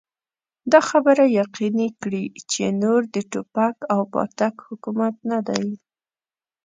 دا خبره يقيني کړي چې نور د ټوپک او پاټک حکومت نه دی.